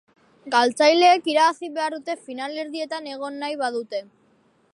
Galtzaileek irabazi behar dute finalerdietan egon nahi badute.